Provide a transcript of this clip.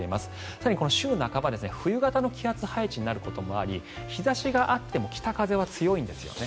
更に週半ば冬型の気圧配置になることもあり日差しがあっても北風は強いんですよね。